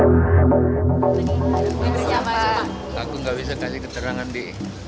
aku nggak bisa kasih keterangan di